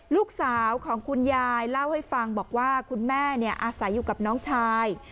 ลูกสาวของคุณยายเล่าให้ฟังบอกว่าคุณแม่อาศัยอยู่กับน้องชาย